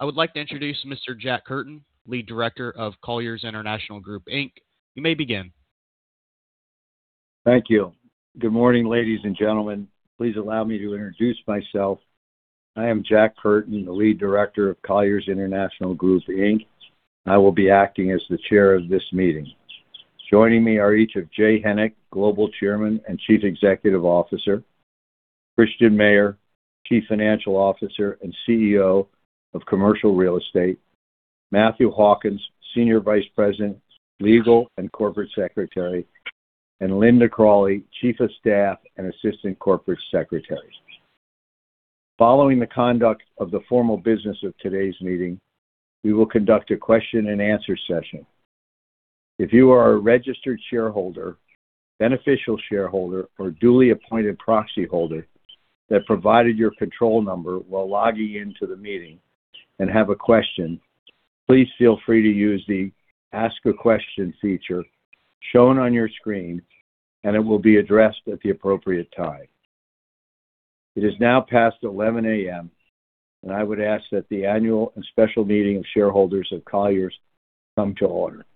I would like to introduce Mr. Jack Curtin, Lead Director of Colliers International Group Inc. You may begin. Thank you. Good morning, ladies and gentlemen. Please allow me to introduce myself. I am Jack Curtin, the Lead Director of Colliers International Group Inc. I will be acting as the chair of this meeting. Joining me are each of Jay Hennick, Global Chairman and Chief Executive Officer, Christian Mayer, Chief Financial Officer and CEO of Commercial Real Estate, Matthew Hawkins, Senior Vice President, Legal and Corporate Secretary, and Lynda Cralli, Chief of Staff and Assistant Corporate Secretary. Following the conduct of the formal business of today's meeting, we will conduct a question and answer session. If you are a registered shareholder, beneficial shareholder, or duly appointed proxy holder that provided your control number while logging into the meeting and have a question, please feel free to use the Ask a Question feature shown on your screen, and it will be addressed at the appropriate time. It is now past 11 A.M., and I would ask that the annual and special meeting of shareholders of Colliers come to order.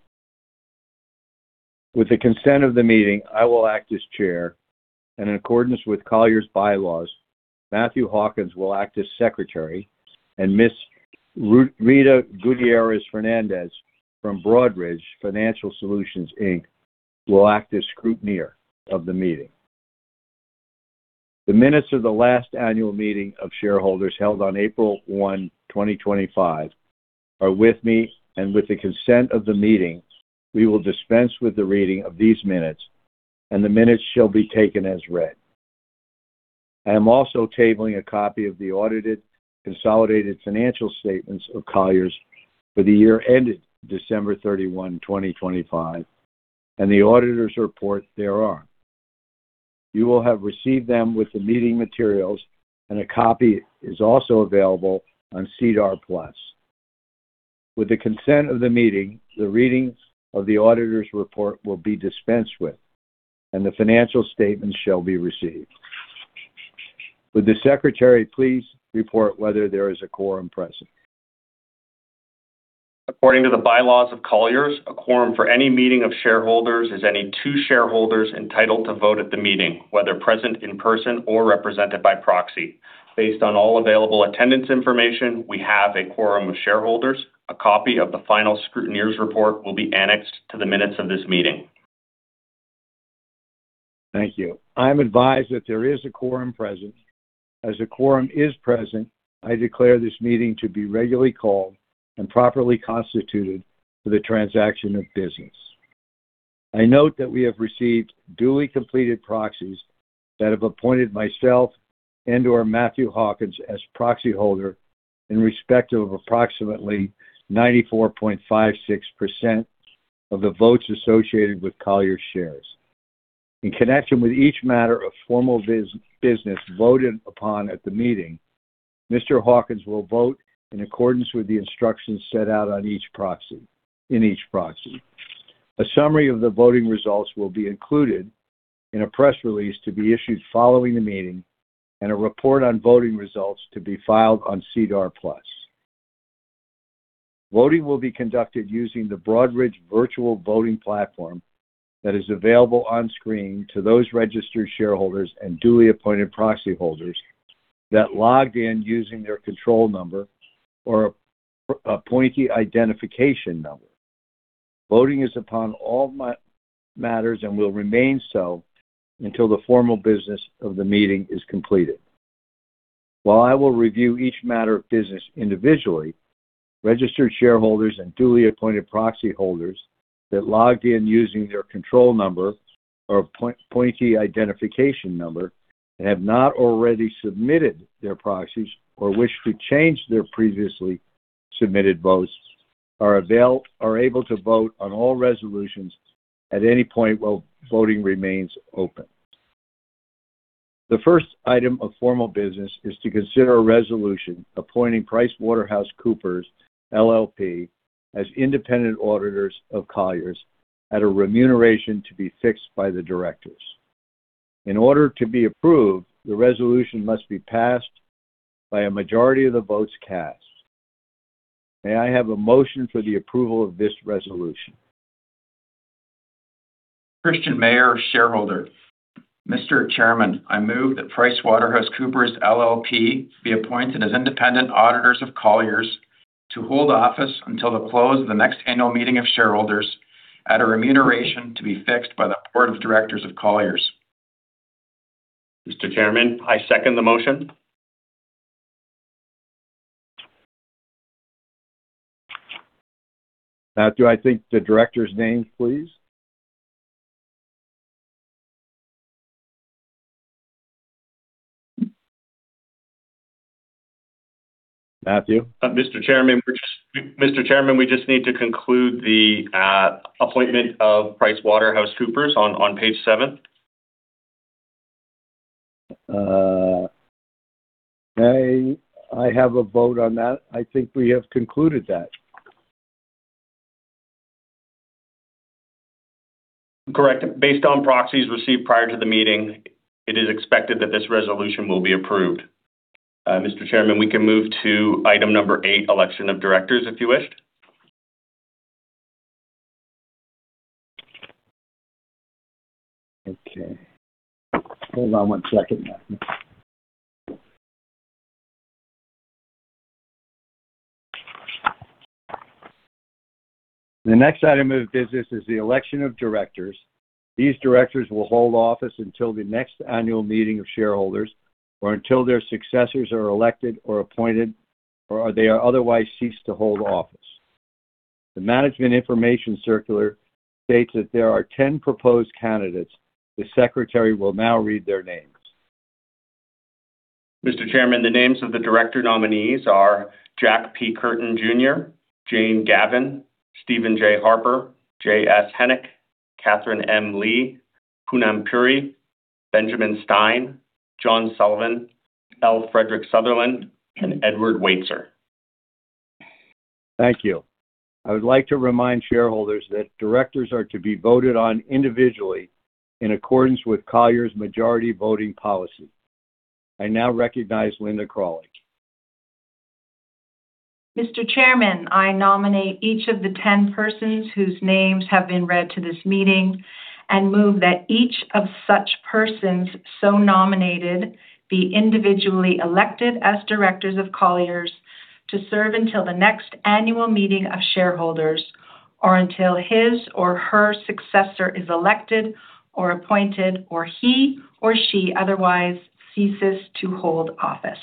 With the consent of the meeting, I will act as chair. In accordance with Colliers bylaws, Matthew Hawkins will act as secretary, and Ms. Rita Gutierrez Fernandez from Broadridge Financial Solutions Inc. will act as scrutineer of the meeting. The minutes of the last annual meeting of shareholders held on April 1, 2025, are with me, and with the consent of the meeting, we will dispense with the reading of these minutes, and the minutes shall be taken as read. I am also tabling a copy of the audited consolidated financial statements of Colliers for the year ended December 31, 2025, and the auditor's report thereof. You will have received them with the meeting materials, and a copy is also available on SEDAR+. With the consent of the meeting, the readings of the auditor's report will be dispensed with, and the financial statements shall be received. Would the secretary please report whether there is a quorum present? According to the bylaws of Colliers, a quorum for any meeting of shareholders is any two shareholders entitled to vote at the meeting, whether present in person or represented by proxy. Based on all available attendance information, we have a quorum of shareholders. A copy of the final scrutineer's report will be annexed to the minutes of this meeting. Thank you. I am advised that there is a quorum present. As a quorum is present, I declare this meeting to be regularly called and properly constituted for the transaction of business. I note that we have received duly completed proxies that have appointed myself and/or Matthew Hawkins as proxy holder in respect of approximately 94.56% of the votes associated with Colliers shares. In connection with each matter of formal business voted upon at the meeting, Mr. Hawkins will vote in accordance with the instructions set out in each proxy. A summary of the voting results will be included in a press release to be issued following the meeting and a report on voting results to be filed on SEDAR+. Voting will be conducted using the Broadridge virtual voting platform that is available on screen to those registered shareholders and duly appointed proxy holders that logged in using their control number or appointee identification number. Voting is upon all matters and will remain so until the formal business of the meeting is completed. While I will review each matter of business individually, registered shareholders and duly appointed proxy holders that logged in using their control number or appointee identification number and have not already submitted their proxies or wish to change their previously submitted votes, are able to vote on all resolutions at any point while voting remains open. The first item of formal business is to consider a resolution appointing PricewaterhouseCoopers LLP as independent auditors of Colliers at a remuneration to be fixed by the directors. In order to be approved, the resolution must be passed by a majority of the votes cast. May I have a motion for the approval of this resolution? Christian Mayer, shareholder. Mr. Chairman, I move that PricewaterhouseCoopers LLP be appointed as independent auditors of Colliers to hold office until the close of the next annual meeting of shareholders at a remuneration to be fixed by the board of directors of Colliers. Mr. Chairman, I second the motion. Now, the directors' names, please? Matthew. Mr. Chairman, we just need to conclude the appointment of PricewaterhouseCoopers on page seven. May I have a vote on that? I think we have concluded that. Correct. Based on proxies received prior to the meeting, it is expected that this resolution will be approved. Mr. Chairman, we can move to item number eight, election of directors, if you wished. Okay. Hold on one second. The next item of business is the election of directors. These directors will hold office until the next annual meeting of shareholders or until their successors are elected or appointed, or they are otherwise ceased to hold office. The Management Information Circular states that there are 10 proposed candidates. The secretary will now read their names. Mr. Chairman, the names of the director nominees are Jack P. Curtin Jr., Jane Gavan, Stephen J. Harper, J.S. Hennick, Katherine M. Lee, Poonam Puri, Benjamin Stein, John Sullivan, L. Frederick Sutherland, and Edward Waitzer. Thank you. I would like to remind shareholders that directors are to be voted on individually in accordance with Colliers majority voting policy. I now recognize Lynda Cralli. Mr. Chairman, I nominate each of the 10 persons whose names have been read to this meeting and move that each of such persons so nominated be individually elected as directors of Colliers to serve until the next annual meeting of shareholders, or until his or her successor is elected or appointed, or he or she otherwise ceases to hold office.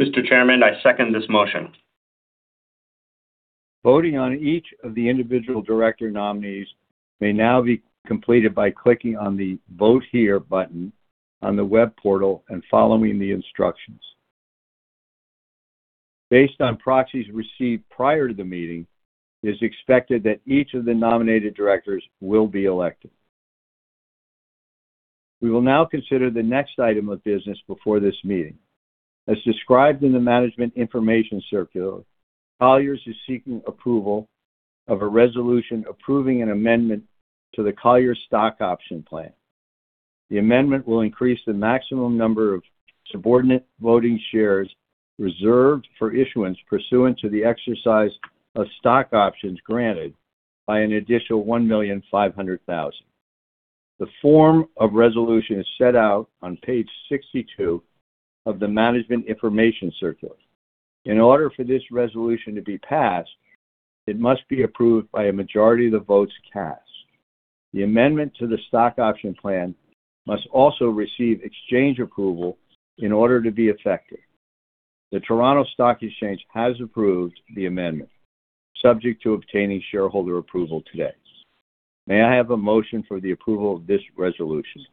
Mr. Chairman, I second this motion. Voting on each of the individual director nominees may now be completed by clicking on the Vote Here button on the web portal and following the instructions. Based on proxies received prior to the meeting, it is expected that each of the nominated directors will be elected. We will now consider the next item of business before this meeting. As described in the Management Information Circular, Colliers is seeking approval of a resolution approving an amendment to the Colliers stock option plan. The amendment will increase the maximum number of subordinate voting shares reserved for issuance pursuant to the exercise of stock options granted by an additional 1,500,000. The form of resolution is set out on page 62 of the Management Information Circular. In order for this resolution to be passed, it must be approved by a majority of the votes cast. The amendment to the stock option plan must also receive exchange approval in order to be effective. The Toronto Stock Exchange has approved the amendment, subject to obtaining shareholder approval today. May I have a motion for the approval of this resolution?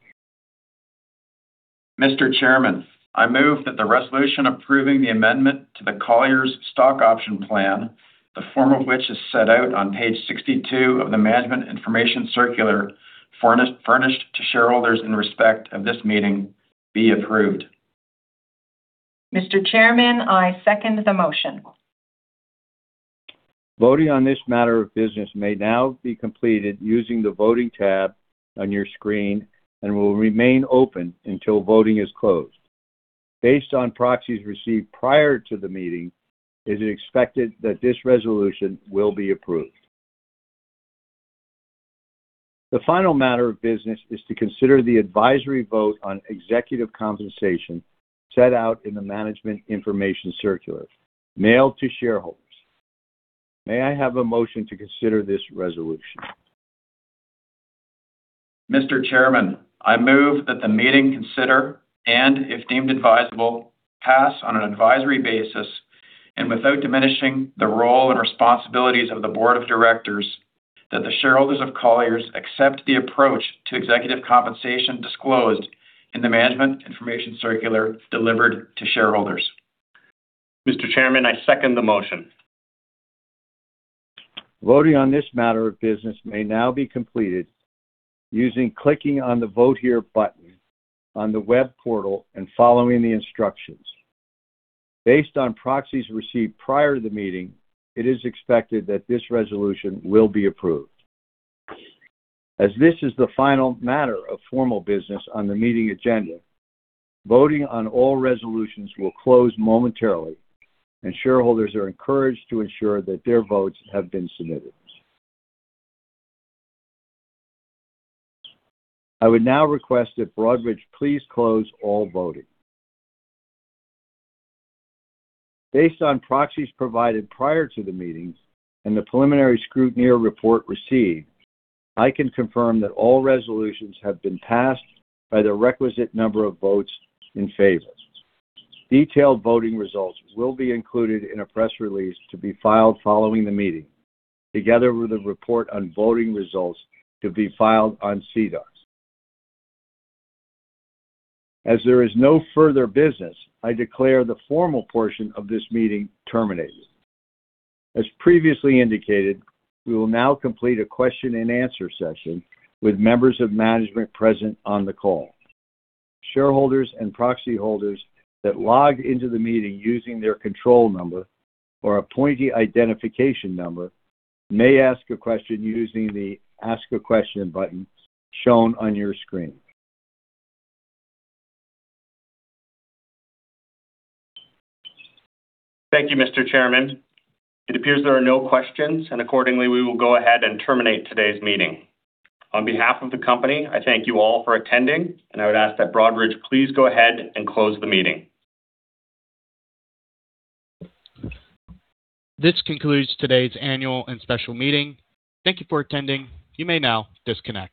Mr. Chairman, I move that the resolution approving the amendment to the Colliers stock option plan, the form of which is set out on page 62 of the Management Information Circular furnished to shareholders in respect of this meeting, be approved. Mr. Chairman, I second the motion. Voting on this matter of business may now be completed using the voting tab on your screen and will remain open until voting is closed. Based on proxies received prior to the meeting, it is expected that this resolution will be approved. The final matter of business is to consider the advisory vote on executive compensation set out in the Management Information Circular mailed to shareholders. May I have a motion to consider this resolution? Mr. Chairman, I move that the meeting consider, and if deemed advisable, pass on an advisory basis and without diminishing the role and responsibilities of the board of directors, that the shareholders of Colliers accept the approach to executive compensation disclosed in the Management Information Circular delivered to shareholders. Mr. Chairman, I second the motion. Voting on this matter of business may now be completed by clicking on the Vote Here button on the web portal and following the instructions. Based on proxies received prior to the meeting, it is expected that this resolution will be approved. As this is the final matter of formal business on the meeting agenda, voting on all resolutions will close momentarily, and shareholders are encouraged to ensure that their votes have been submitted. I would now request that Broadridge please close all voting. Based on proxies provided prior to the meeting and the preliminary scrutineer report received, I can confirm that all resolutions have been passed by the requisite number of votes in favor. Detailed voting results will be included in a press release to be filed following the meeting, together with a report on voting results to be filed on SEDAR+. As there is no further business, I declare the formal portion of this meeting terminated. As previously indicated, we will now complete a question and answer session with members of management present on the call. Shareholders and proxy holders that log into the meeting using their control number or appointee identification number may ask a question using the Ask a Question button shown on your screen. Thank you, Mr. Chairman. It appears there are no questions, and accordingly, we will go ahead and terminate today's meeting. On behalf of the company, I thank you all for attending, and I would ask that Broadridge please go ahead and close the meeting. This concludes today's annual and special meeting. Thank you for attending. You may now disconnect.